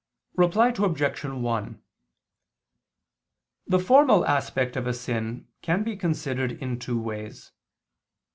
Reply Obj. 1: The formal aspect of a sin can be considered in two ways.